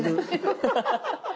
ハハハハハ！